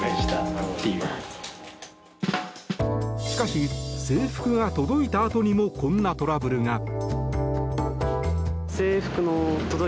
しかし、制服が届いたあとにもこんなトラブルが。